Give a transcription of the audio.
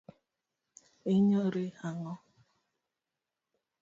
Inyiero ang’o?